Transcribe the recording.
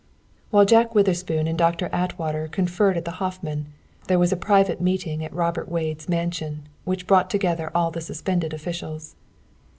While Jack Witherspoon and Doctor Atwater conferred at the Hoffman, there was a private meeting at Robert Wade's mansion, which brought together all the suspended officials.